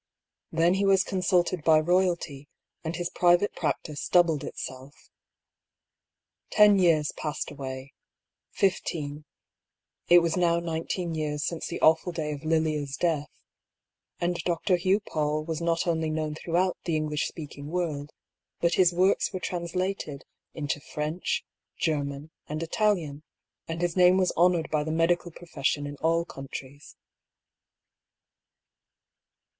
Then he was consulted by royalty, and his priyate practice doubled itself. Ten years passed away, fifteen — it was now nineteen years since the awful day of Lilia's death — and Dr. Hugh PauU was not only known throughout the English speaking world, but hissworks were translated into French, German, and Italian, and his name was honoured by the medical profession in all countries.